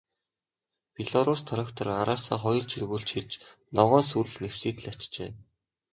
Белорусс трактор араасаа хоёр чиргүүл чирч, ногоон сүрэл нэвсийтэл ачжээ.